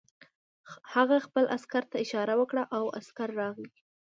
هغه خپل عسکر ته اشاره وکړه او عسکر راغی